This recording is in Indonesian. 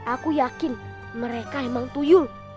aku yakin mereka emang puyung